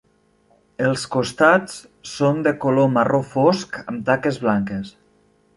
Els costats són de color marró fosc amb taques blanques.